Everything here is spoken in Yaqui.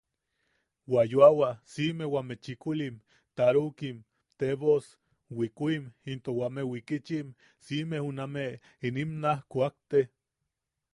Wa yoawa siʼime wame chikulim, tarukim, tebos, wikuim into wame wikichim, siʼime junameʼe inim naaj kuakteme...